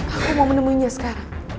aku mau menemuinya sekarang